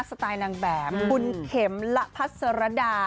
สไตล์นางแบบคุณเข็มละพัสรดา